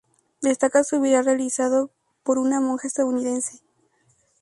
Destaca su vitral realizado por una monja estadounidense.